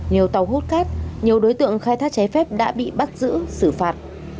nhiều tàu hút cát nhiều đối tượng khai thác trái phép đã bị bắt giữ xử phạt